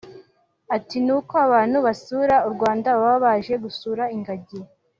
Ati “N’uko abantu basura u Rwanda baba baje gusura ingagi